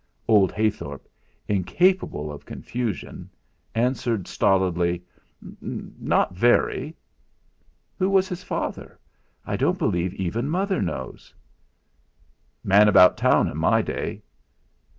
Old Heythorp, incapable of confusion, answered stolidly: "Not very." "Who was his father? I don't believe even mother knows." "Man about town in my day."